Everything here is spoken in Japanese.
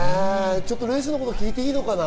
レースのこと、聞いていいのかな？